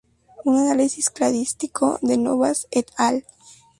Un análisis cladístico de Novas "et al.